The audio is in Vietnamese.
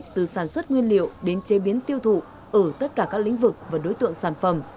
từ sản xuất nguyên liệu đến chế biến tiêu thụ ở tất cả các lĩnh vực và đối tượng sản phẩm